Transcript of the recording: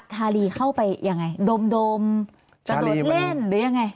ชาลีเข้าไปยังไงดมกระโดดเล่นหรือยังไง